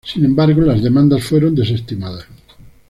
Sin embargo, las demandas fueron desestimadas.